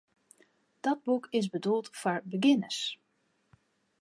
Dat boek is bedoeld foar begjinners.